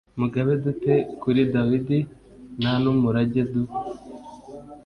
mugabane du te kuri dawidi nta n umurage du